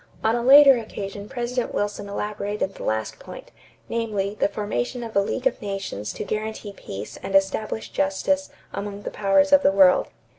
On a later occasion President Wilson elaborated the last point, namely, the formation of a league of nations to guarantee peace and establish justice among the powers of the world.